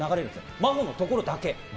真帆のところだけ。